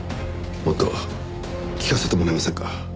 もっと聞かせてもらえませんか？